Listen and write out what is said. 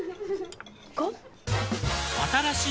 ５？